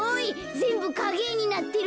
ぜんぶかげえになってる。